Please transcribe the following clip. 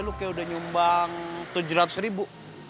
lu kayak udah nyumbang tujuh ratus ribu